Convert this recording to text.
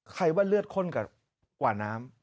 ใครว่าเลือดข้นกว่าน้ำ